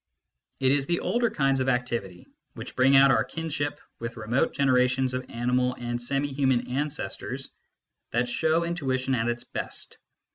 It is the older kinds of activity, which bring out our kinship with remote generations of animal and semi human ancestors, that show intuition at its best.